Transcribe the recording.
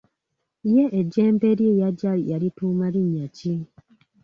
Ye ejjembe lye yagya yalituuma linnya ki?